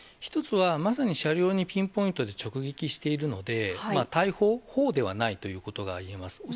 １つは、まさに車両にピンポイントで直撃しているので、大砲、砲ではないということが言えます。